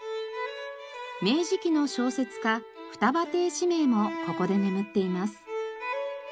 明治期の小説家二葉亭四迷もここで眠っています。